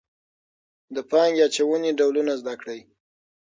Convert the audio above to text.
د پانګې اچونې ډولونه زده کړئ.